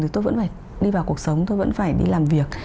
thì tôi vẫn phải đi vào cuộc sống tôi vẫn phải đi làm việc